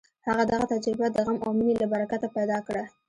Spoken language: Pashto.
هغه دغه تجربه د غم او مینې له برکته پیدا کړه